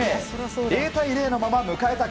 ０対０のまま迎えた